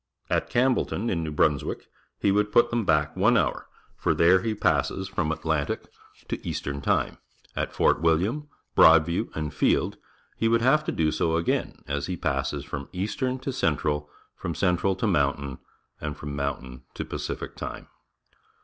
At Campbellton, in New Brunswick, he would put them back one hour, for there he passes from Atlantic to East ern time. At Fort William. Broadview, and Field he would have to do so again, as he passes from Eastern to Cen tral, from Cen tral to Moun tain, and from Mountain to Pacific time.